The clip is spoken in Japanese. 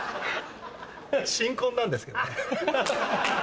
新婚なんですけどね。